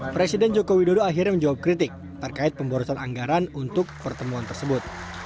presiden joko widodo akhirnya menjawab kritik terkait pemborosan anggaran untuk pertemuan tersebut